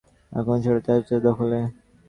এখন সেটা চাটুজ্যেদের দখলে।